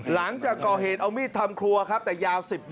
หลังจะเป็นเกาะเหตุเอามีดทำครัวครับแต่ยาว๑๐นิ้วนะ